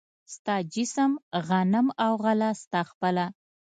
ستا جسم، غنم او غله ستا خپله